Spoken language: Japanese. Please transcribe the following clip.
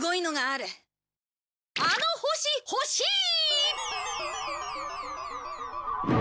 「あの星欲しい」！